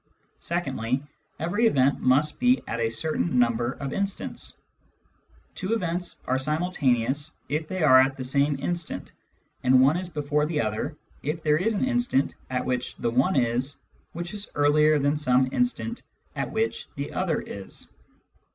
Secondly, every event must be at a certain number of instants ; two events are simultaneous if they are at the same instant, and one is before the other if there is an instant, at which the one is, which is earlier than some instant at which the other is.